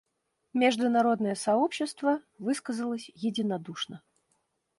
Международное сообщество высказалось единодушно.